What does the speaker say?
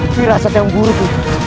pirasat yang buruk